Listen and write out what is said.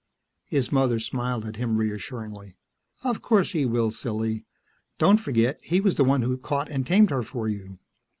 His mother smiled at him reassuringly. "Of course he will, silly. Don't forget he was the one who caught and tamed her for you."